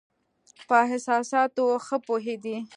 په احساساتو ښه پوهېدی.